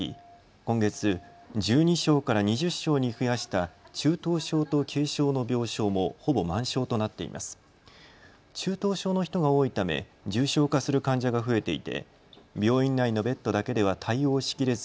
今月、１２床から２０床に増やした中等症と軽症の病床もほぼ満床となっています。